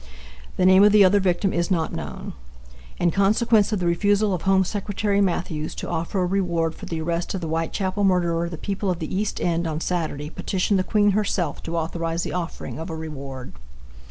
The name of the other victim is not known. In consequence of the refusal of Home Secretary Matthews to offer a reward for the arrest of the Whitechapel murderer the people of the East End on Saturday petitioned the Queen herself to authorize the offering of a reward.